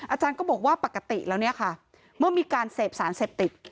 อาจารย์ก็บอกว่าปกติแล้วเนี่ยค่ะเมื่อมีการเสพสารเสพติด